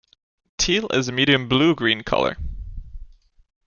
Teal is a medium blue-green color.